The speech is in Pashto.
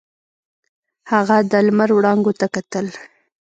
هغه د لمر وړانګو ته کتل.